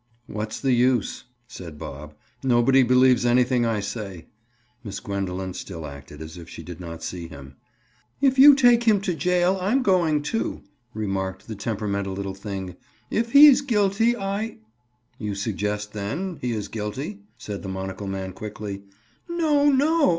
"What's the use?" said Bob. "Nobody believes anything I say." Miss Gwendoline still acted as if she did not see him. "If you take him to jail, I'm going too," remarked the temperamental little thing. "If he's guilty, I—" "You suggest, then, he is guilty?" said the monocle man quickly. "No; no!